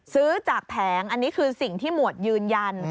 ซื้อจากแผงอันนี้คือสิ่งที่หมวดยืนยัน